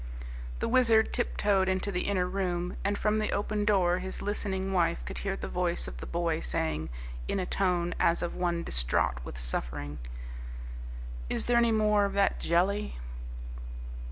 The Wizard tip toed into the inner room, and from the open door his listening wife could hear the voice of the boy saying, in a tone as of one distraught with suffering. "Is there any more of that jelly?"